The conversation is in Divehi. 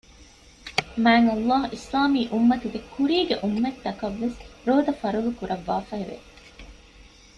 މާތްﷲ އިސްލާމީ އުއްމަތުގެ ކުރީގެ އުއްމަތަކަށްވެސް ރޯދަ ފަރްޟުކުރައްވާފައި ވެ